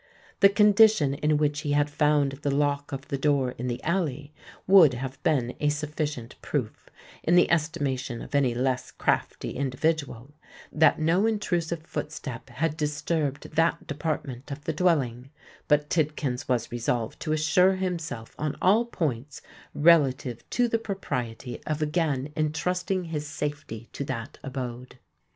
The condition in which he had found the lock of the door in the alley would have been a sufficient proof, in the estimation of any less crafty individual, that no intrusive footstep had disturbed that department of the dwelling: but Tidkins was resolved to assure himself on all points relative to the propriety of again entrusting his safety to that abode.